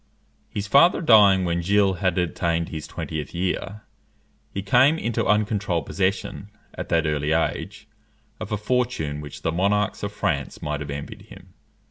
His father dying when Gilles had attained his twentieth year, he came into uncontrolled possession, at that early age, of a fortune which the monarchs of France might have envied him.